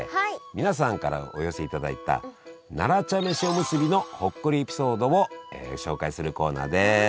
皆さんからお寄せいただいた奈良茶飯おむすびのほっこりエピソードを紹介するコーナーです。